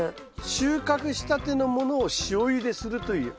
収穫したてのものを塩ゆでするという。